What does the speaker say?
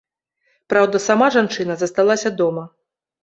Праўда, сама жанчына засталася дома.